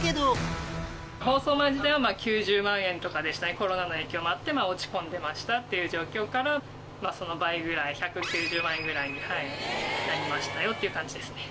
コロナの影響もあって落ち込んでましたっていう状況からその倍ぐらい１９０万円ぐらいになりましたよっていう感じですね。